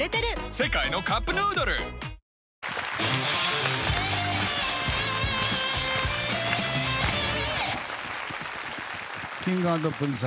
世界のカップヌードルＫｉｎｇ＆Ｐｒｉｎｃｅ